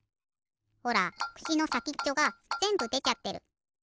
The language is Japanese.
ほらくしのさきっちょがぜんぶでちゃってる。